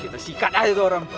kita sikat aja ke orang